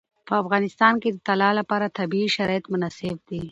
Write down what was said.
په افغانستان کې د طلا لپاره طبیعي شرایط مناسب دي.